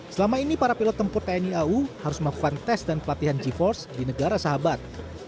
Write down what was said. selama ini para pilot tempur tni au harus melakukan tes dan pelatihan g force di negara sahabat